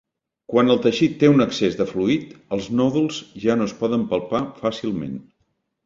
Quan el teixit té un excés de fluid, els nòduls ja no es poden palpar fàcilment.